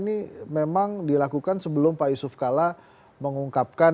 ini memang dilakukan sebelum pak yusuf kalla mengungkapkan